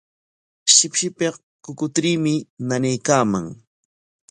Shipshipik kukutriimi nanaykaaman.